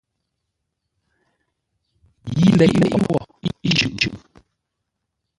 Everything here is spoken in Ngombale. Yi leʼe wo yi shʉʼʉ.